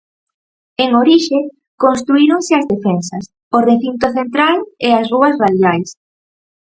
En orixe, construíronse as defensas, o recinto central e as rúas radiais.